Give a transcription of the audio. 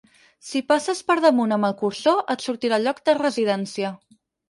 Si passes per damunt amb el cursor et sortirà el lloc de residència.